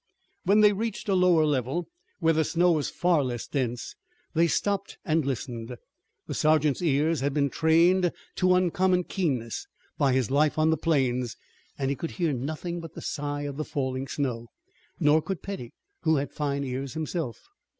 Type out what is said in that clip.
When they reached a lower level, where the snow was far less dense, they stopped and listened. The sergeant's ears had been trained to uncommon keenness by his life on the plains, and he could hear nothing but the sigh of the falling snow. Nor could Petty, who had fine ears himself.